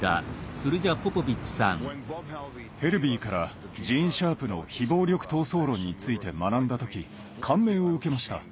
ヘルヴィーからジーン・シャープの非暴力闘争論について学んだ時感銘を受けました。